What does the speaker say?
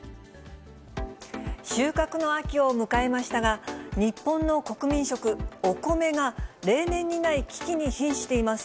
収穫の秋を迎えましたが、日本の国民食、お米が例年にない危機に瀕しています。